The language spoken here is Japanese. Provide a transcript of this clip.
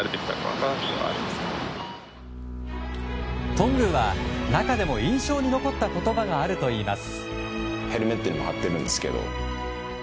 頓宮は中でも印象に残った言葉があるといいます。